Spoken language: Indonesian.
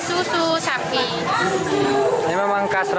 kenapa memilih sate susu itu